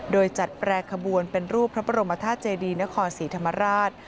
โดยจัดแปรขบวนเป็นรูปพระบรมธาตุเจดีนครศรีธรรมราช